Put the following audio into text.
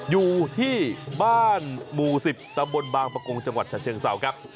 อยู่ที่บ้านหมู่๑๐ตำบลบางประกงจังหวัดฉะเชิงเศร้าครับ